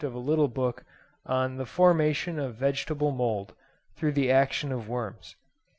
of a little book on 'The Formation of Vegetable Mould, through the Action of Worms.